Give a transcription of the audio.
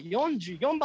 ４４番。